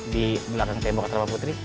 di belakang tembok terbang putri